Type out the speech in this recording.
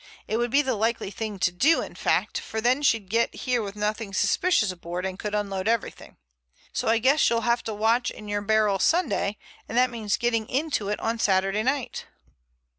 It would be the likely thing to do, in fact, for then she'd get here with nothing suspicious aboard and could unload everything. So I guess you'll have to watch in your barrel on Sunday, and that means getting into it on Saturday night."